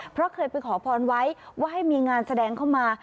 เพราะเคยไปขอพรไว้ว่าให้มีงานแสดงเข้ามา